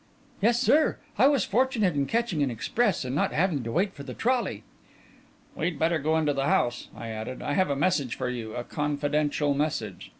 "Yes, sir; I was fortunate in catching an express and not having to wait for the trolley." "We'd better go into the house," I added. "I have a message for you a confidential message."